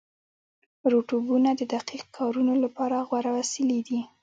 روبوټونه د دقیق کارونو لپاره غوره وسیلې دي.